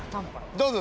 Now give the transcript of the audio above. どうぞ。